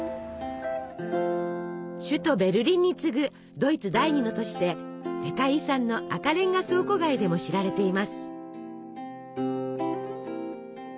首都ベルリンに次ぐドイツ第二の都市で世界遺産の赤レンガ倉庫街でも知られています。